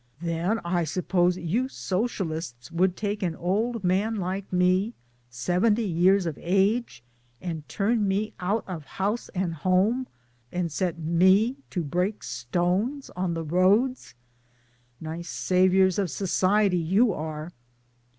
' Then I suppose you Socialists would take an old man like me, seventy years of age, and turn me out of house and home, and set me to break stones on the roads nice " saviours of society " you are'!'